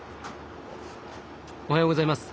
おはようございます。